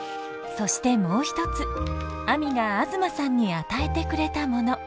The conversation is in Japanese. そしてもう一つあみが東さんに与えてくれたもの。